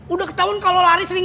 udah ketahuan kalau lari sering